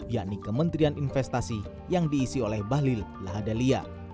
yakni kementerian investasi yang diisi oleh bahlil lahadalia